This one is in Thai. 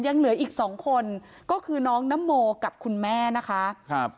ยังเหลืออีกสองคนก็คือน้องนโมกับคุณแม่นะคะครับ